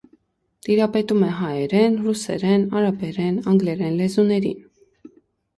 Տիրապետում է հայերեն, ռուսերեն, արաբերեն, անգլերեն լեզուներին։